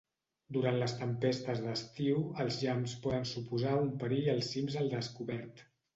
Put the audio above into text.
Durant les tempestes d'estiu, els llamps poden suposar un perill als cims al descobert.